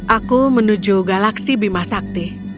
aku menuju galaksi bimasakti